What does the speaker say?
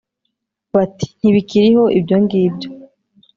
bati: “ntibikiriho ibyo ngibyo